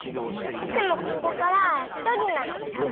いつもここからはひとりなの。